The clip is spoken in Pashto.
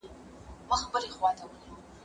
زه بايد مړۍ وخورم!